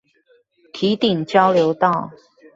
堤頂交流道